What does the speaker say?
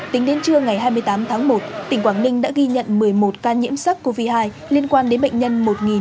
tính đến trưa ngày hai mươi tám tháng một tỉnh quảng ninh đã ghi nhận một mươi một ca nhiễm sắc covid một mươi chín liên quan đến bệnh nhân một năm trăm năm mươi ba